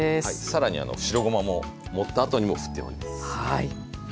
更に白ごまも盛ったあとにもふっております。